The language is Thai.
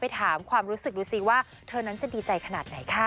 ถามความรู้สึกดูสิว่าเธอนั้นจะดีใจขนาดไหนค่ะ